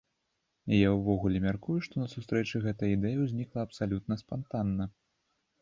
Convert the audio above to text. Я ўвогуле мяркую, што на сустрэчы гэтая ідэя ўзнікла абсалютна спантанна.